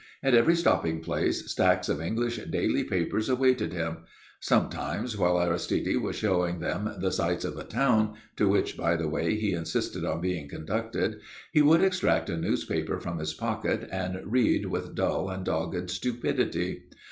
At every stopping place stacks of English daily papers awaited him. Sometimes, while Aristide was showing them the sights of a town to which, by the way, he insisted on being conducted he would extract a newspaper from his pocket and read with dull and dogged stupidity.